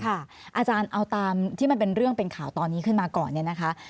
อาจารย์เอาตามที่มันเป็นเรื่องเป็นข่าวตอนนี้ขึ้นมาก่อนเนี่ยนะคะ